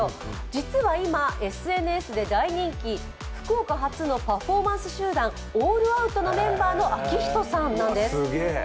実は今、ＳＮＳで大人気、福岡発のパフォーマンス集団、ＡＬＬＯＵＴのメンバーのＡＫＩＨＩＴＯさんなんです。